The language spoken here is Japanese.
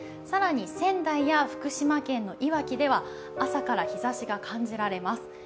更に仙台や福島県のいわきでは朝から日ざしが感じられます。